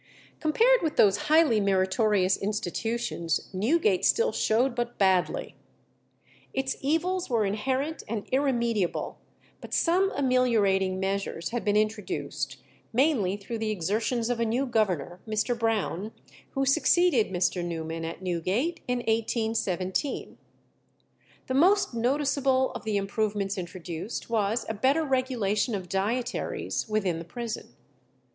Compared with those highly meritorious institutions Newgate still showed but badly. Its evils were inherent and irremediable, but some ameliorating measures had been introduced, mainly through the exertions of a new governor, Mr. Brown, who succeeded Mr. Newman at Newgate in 1817. The most noticeable of the improvements introduced was a better regulation of dietaries within the prison.